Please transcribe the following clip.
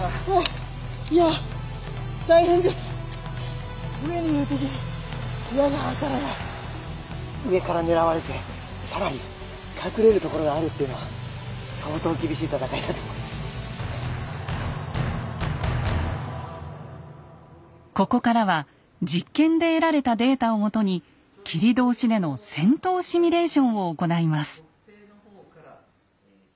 もういやここからは実験で得られたデータをもとに切通での戦闘シミュレーションを行います。